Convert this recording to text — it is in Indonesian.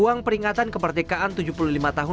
uang peringatan kemerdekaan tujuh puluh lima tahun